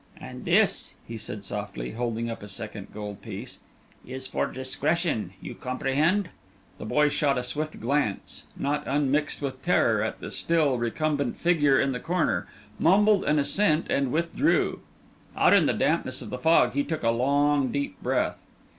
"And this," he said, softly, holding up a second gold piece, "is for discretion! You comprehend?" The boy shot a swift glance, not unmixed with terror, at the still, recumbent figure in the corner, mumbled an assent and withdrew. Out in the dampness of the fog, he took a long, deep breath.